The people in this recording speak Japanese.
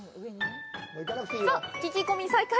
聞き込み再開。